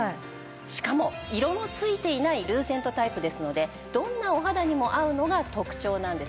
しかも色のついていないルーセントタイプですのでどんなお肌にも合うのが特徴なんですね。